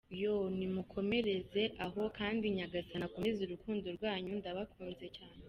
yoooo nimukomereze aho kandi nyagasani akomeze urukundo rwanyu ndabakunze cyane.